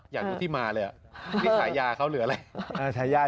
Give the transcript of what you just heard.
อยากรู้ที่มาเลยนี่ฉายาเขาหรืออะไร